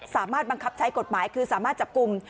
สามารถบังคับใช้กฎหมายคือสามารถจับกลุ่ม